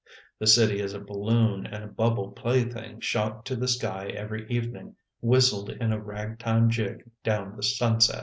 The city is a balloon and a bubble plaything shot to the sky every evening, whistled in a ragtime jig down the sunset.